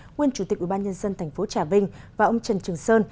nguyên chủ tịch ủy ban nhân dân tp trà vinh và ông trần trường sơn